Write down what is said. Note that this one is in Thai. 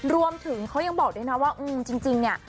รวมถึงเขายังบอกด้วยนะว่าจริงเนี่ย